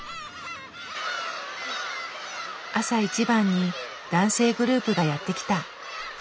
朝一番に男性グループがやって来た。